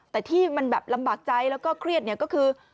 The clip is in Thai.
แต่ที่มันแบบลำบากใจแล้วก็เครียดเนี่ยก็คือ